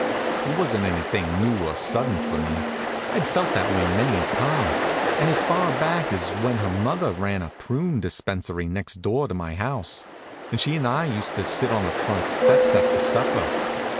It wa'n't anything new or sudden for me. I'd felt like that many a time, and as far back as when her mother ran a prune dispensary next door to my house, and she an' I used to sit on the front steps after supper.